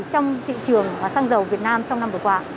trong thị trường xăng dầu việt nam trong năm vừa qua